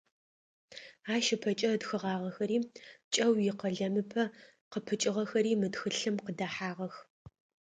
Ащ ыпэкӏэ ытхыгъагъэхэри, кӏэу икъэлэмыпэ къыпыкӏыгъэхэри мы тхылъым къыдэхьагъэх.